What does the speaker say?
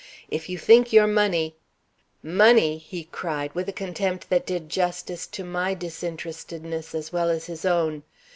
If you think your money " "Money?" he cried, with a contempt that did justice to my disinterestedness as well as his own.